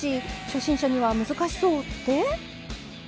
初心者には難しそうって？